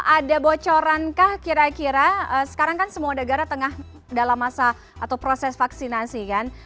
ada bocorankah kira kira sekarang kan semua negara tengah dalam masa atau proses vaksinasi kan